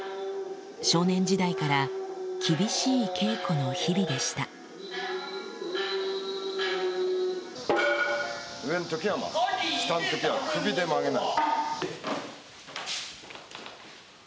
少年時代から厳しい稽古の日々でした上の時は真っすぐ下の時は首で曲げない。